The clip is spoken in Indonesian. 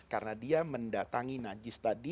karena dia mendatangi najis tadi